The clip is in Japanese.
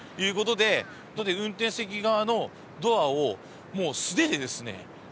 運転席側のドアを素手でですね